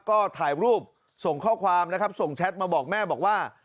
ก็ถ่ายรูปส่งข้อความนะครับส่งแชทมาบอกแม่บอกว่า